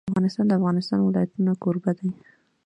افغانستان د د افغانستان ولايتونه کوربه دی.